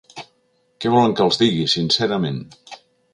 Què volen que els digui, sincerament.